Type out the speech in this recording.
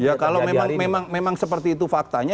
ya kalau memang memang memang seperti itu faktanya